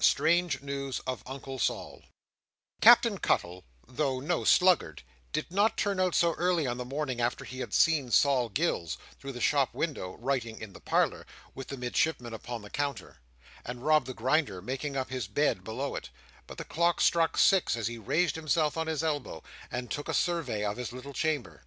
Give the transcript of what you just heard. Strange News of Uncle Sol Captain Cuttle, though no sluggard, did not turn out so early on the morning after he had seen Sol Gills, through the shop window, writing in the parlour, with the Midshipman upon the counter, and Rob the Grinder making up his bed below it, but that the clocks struck six as he raised himself on his elbow, and took a survey of his little chamber.